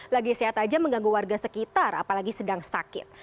lagi sehat aja mengganggu warga sekitar apalagi sedang sakit